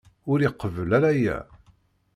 Ur iqebbel ara aya.